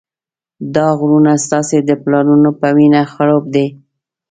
دا غرونه ستاسې د پلرونو په وینه خړوب دي.